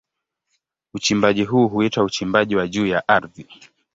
Uchimbaji huu huitwa uchimbaji wa juu ya ardhi.